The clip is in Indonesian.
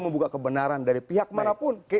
membuka kebenaran dari pihak manapun